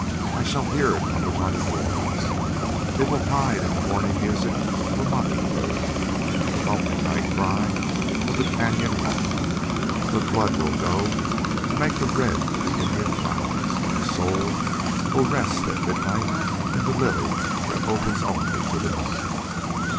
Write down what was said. I shall hear it on running waters. It will hide in the morning music of a mocking bird and in the lonely night cry of the cañon hawk. Her blood will go to make the red of the Indian flowers and her soul will rest at midnight in the lily that opens only to the moon.